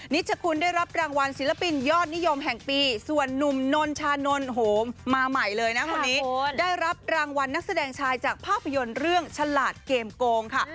ชคุณได้รับรางวัลศิลปินยอดนิยมแห่งปีส่วนนุ่มนนชานนท์โหมาใหม่เลยนะคนนี้ได้รับรางวัลนักแสดงชายจากภาพยนตร์เรื่องฉลาดเกมโกงค่ะ